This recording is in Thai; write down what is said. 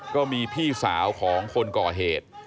ก็มีพี่สาวของคนก่อเหตุ